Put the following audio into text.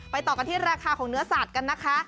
ต่อกันที่ราคาของเนื้อสัตว์กันนะคะ